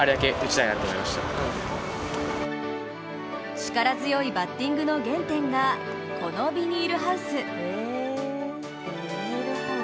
力強いバッティングの原点がこのビニールハウス。